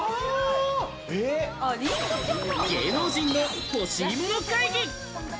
芸能人の欲しいもの会議。